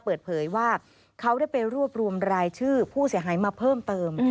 เปิดเผยว่าเขาได้ไปรวบรวมรายชื่อผู้เสียหายมาเพิ่มเติม